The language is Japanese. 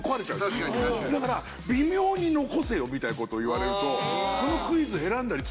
だから微妙に残せよみたいな事を言われると。